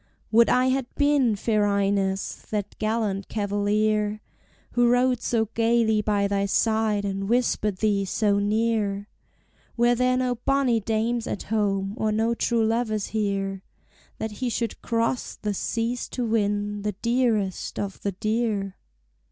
Would I had been, fair Ines, that gallant cavalier Who rode so gayly by thy side and whispered thee so near! Were there no bonny dames at home, or no true lovers here, That he should cross the seas to win the dearest of the dear?